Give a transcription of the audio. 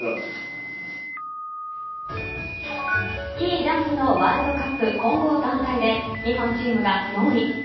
スキージャンプのワールドカップ混合団体で日本チームが４位。